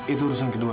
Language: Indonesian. itu urusan kedua